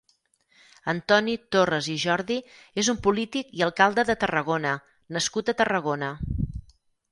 Antoni Torres i Jordi és un polític i alcalde de Tarragona nascut a Tarragona.